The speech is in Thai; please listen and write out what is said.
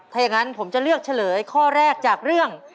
ถ้าอย่างนั้นผมจะเลือกเฉลยข้อแรกจากเรื่อง